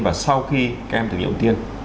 và sau khi các em tính điểm ưu tiên